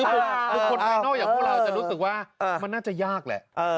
คือบุคคลภายนอกอย่างพวกเราจะรู้สึกว่ามันน่าจะยากแหละ